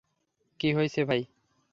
কি হইসে ভাই?